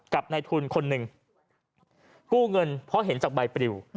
กับในทุนคนหนึ่งกู้เงินเพราะเห็นจากใบปริว